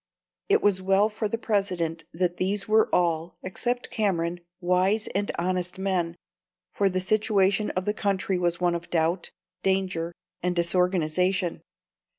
It was well for the President that these were all, except Cameron, wise and honest men, for the situation of the country was one of doubt, danger, and disorganisation.